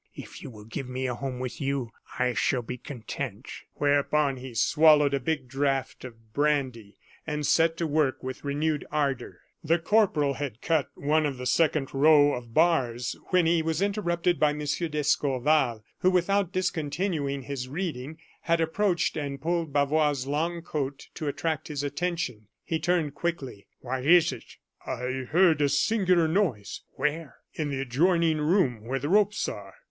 if you will give me a home with you, I shall be content." Whereupon he swallowed a big draught of brandy, and set to work with renewed ardor. The corporal had cut one of the second row of bars, when he was interrupted by M. d'Escorval, who, without discontinuing his reading, had approached and pulled Bavois's long coat to attract his attention. He turned quickly. "What is it?" "I heard a singular noise." "Where?" "In the adjoining room where the ropes are."